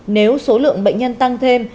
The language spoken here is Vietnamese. nếu số lượng bệnh nhân tăng thêm